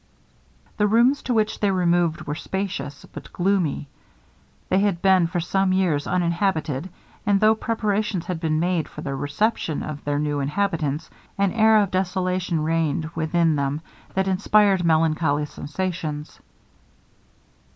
The rooms to which they removed were spacious, but gloomy; they had been for some years uninhabited; and though preparations had been made for the reception of their new inhabitants, an air of desolation reigned within them that inspired melancholy sensations.